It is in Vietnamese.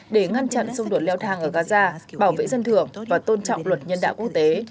để ngăn chặn xung đột leo thang ở gaza bảo vệ dân thường và tôn trọng luật nhân đạo quốc tế